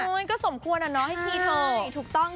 โอ้ยก็สมควรน่ะนะให้ชี้เถาใช่ถูกต้อง